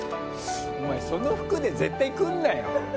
お前、その服で絶対に来るなよ。